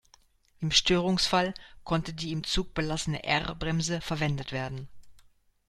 Im Störungsfall konnte die im Zug belassene R-Bremse verwendet werden.